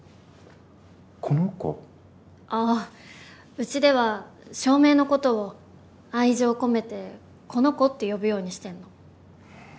うちでは照明のことを愛情込めて「この子」って呼ぶようにしてんの。